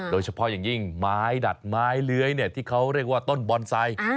โดยเฉพาะอย่างยิ่งไม้ดัดไม้เลื้อยที่เขาเรียกว่าต้นบอนไซค์